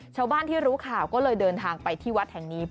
ชาวบ้านที่รู้ข่าวก็เลยเดินทางไปที่วัดแห่งนี้